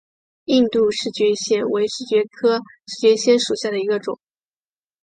印度拟蕨藓为蕨藓科拟蕨藓属下的一个种。